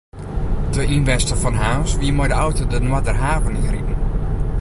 De ynwenster fan Harns wie mei de auto de Noarderhaven yn riden.